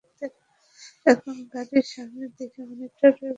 এখন গাড়ির সামনের দিকের মনিটরে বাস কখন ছাড়বে তার নির্দেশনাও ডিসপ্লে হয়।